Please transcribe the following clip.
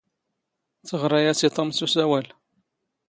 ⵜⵖⵔⴰ ⴰⵙ ⵉ ⵜⵓⵎ ⵙ ⵓⵙⴰⵡⴰⵍ.